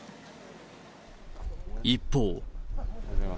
一方。